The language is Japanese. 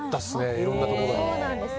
いろんなところで。